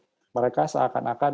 ventura itu mereka seakan akan